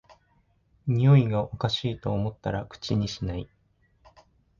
においがおかしいと思ったら口にしない